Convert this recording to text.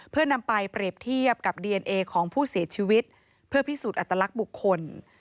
เพื่อนำไปเปรียบเทียบกับดีเอนเอของผู้เสียชีวิตเพื่อพิสูจน์อัตลักษณ์บุคคล